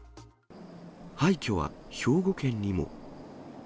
廃虚は兵庫県にも。